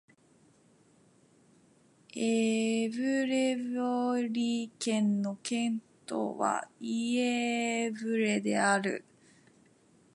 イェヴレボリ県の県都はイェーヴレである